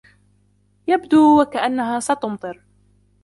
يبدو وكأنّها ستمطر.